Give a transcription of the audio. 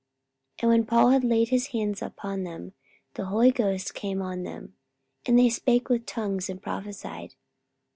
44:019:006 And when Paul had laid his hands upon them, the Holy Ghost came on them; and they spake with tongues, and prophesied.